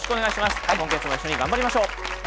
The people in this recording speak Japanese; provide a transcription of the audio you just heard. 今月も一緒に頑張りましょう。